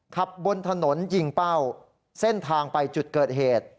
ขับบนถนนยิงเป้าเส้นทางไปจุดเกิดเหตุ